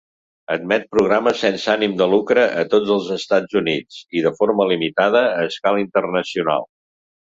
Admet programes sense ànim de lucre a tots els Estats Units i, de forma limitada, a escala internacional.